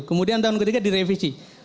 kemudian tahun ketiga direvisi